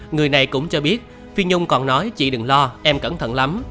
người này cũng cho biết phi nhung còn nói chị đừng lo em cẩn thận lắm